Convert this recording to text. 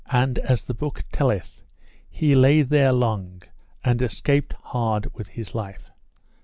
And as the book telleth, he lay there long, and escaped hard with the life.